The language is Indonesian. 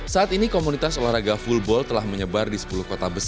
saat ini komunitas olahraga full ball telah menyebar di sepuluh kota besar yang ada di indonesia